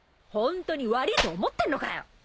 ホントに悪いと思ってんのかよ！